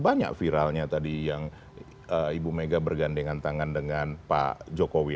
banyak viralnya tadi yang ibu mega bergandengan tangan dengan pak jokowi